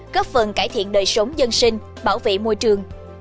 góp phần cải thiện đời sống dân sinh bảo vệ môi trường